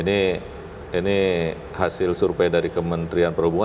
ini hasil survei dari kementerian perhubungan